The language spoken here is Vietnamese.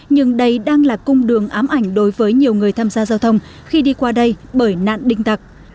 nhưng đây đang là cung đường ám ảnh đối với nhiều người tham gia giao thông khi đi qua đây bởi nạn đinh tặc